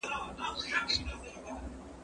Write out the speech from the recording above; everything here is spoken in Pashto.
زه به سبا چپنه پاک کړم!؟